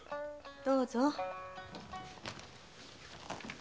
どうぞ。